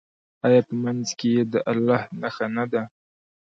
آیا په منځ کې یې د الله نښه نه ده؟